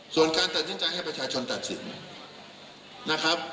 ส่วนการตัดสินใจให้ประชาชนตัดสินนะครับ